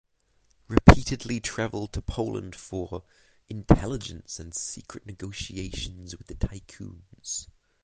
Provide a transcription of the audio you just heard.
Repeatedly traveled to Poland "for intelligence and secret negotiations with the tycoons".